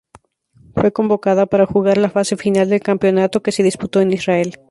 Fue convocada para jugar la fase final del campeonato que se disputó en Israel.